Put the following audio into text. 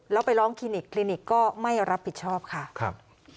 แล้วไปร้องคลินิกคลินิกก็ไม่รับผิดชอบค่ะครับ